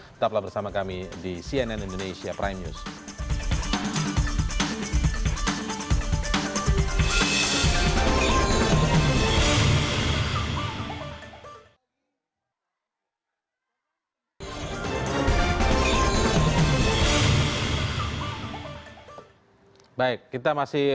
tetaplah bersama kami di cnn indonesia prime news